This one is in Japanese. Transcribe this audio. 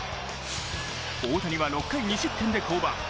大谷は６回２失点で降板。